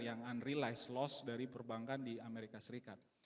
yang unrelise loss dari perbankan di amerika serikat